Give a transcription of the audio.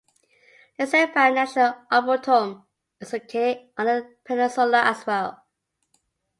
Lindsay Pryor National Arboretum is located on the peninsula as well.